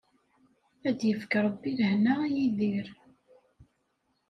Ad d-yefk Rebbi lehna a Yidir.